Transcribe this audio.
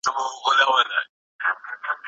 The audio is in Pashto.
بې کاره لاس شر زياتوي